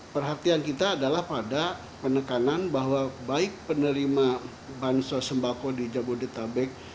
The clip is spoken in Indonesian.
perhatian kita adalah pada penekanan bahwa baik penerima bansos sembako di jabodetabek